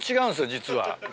実は。